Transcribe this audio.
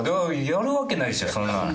やるわけないでしょそんな。